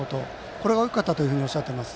これが大きかったとおっしゃっています。